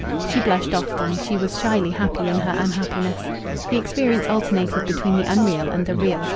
She blushed often. She was shyly happy in her unhappiness. The experience alternated between the unreal and the real.